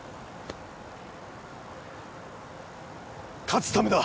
勝つためだ。